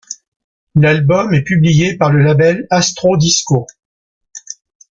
L'album est publié par le label Astro Discos.